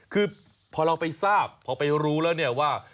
คือพอเราไปทราบพอไปรู้แล้วเนี่ยว่า